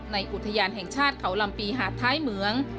อุทยานแห่งชาติเขาลำปีหาดท้ายเหมือง